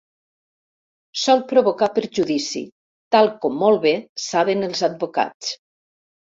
Sol provocar perjudici, tal com molt bé saben els advocats.